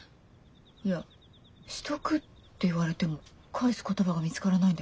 いや「しとく？」って言われても返す言葉が見つからないんだけど。